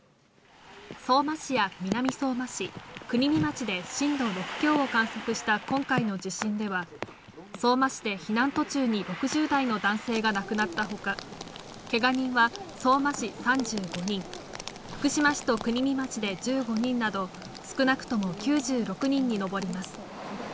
相馬市や南相馬市、国見町で震度６強を観測した今回の地震では、相馬市で避難途中に６０代の男性が亡くなったほか、けが人は相馬市３５人、福島市と国見町で１５人など、少なくとも９６人に上ります。